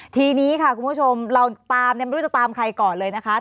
ทีนี้ค่ะคุณผู้ชมเราตามเนี่ยไม่รู้จะตามใครก่อนเลยนะคะ